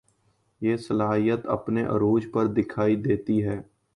یہ صلاحیت اپنے عروج پر دکھائی دیتی ہے